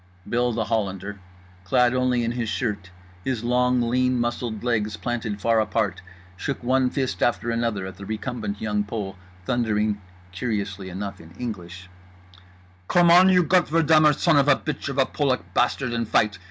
Bill The Hollander, clad only in his shirt, his long lean muscled legs planted far apart, shook one fist after another at the recumbent Young Pole, thundering (curiously enough in English): "Come on you Gottverdummer son of a bitch of a Polak bastard and fight!